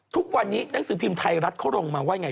ทุกวันนี้หนังสือพิมพ์ไทยรัฐเขาลงมาว่าไง